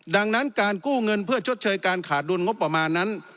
ดังนั้นการกู้เงินเพื่อชดเชยการขาดดุลงบประมาณนั้น